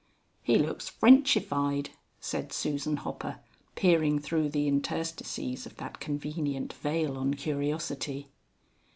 "He looks Frenchified," said Susan Hopper, peering through the interstices of that convenient veil on curiosity.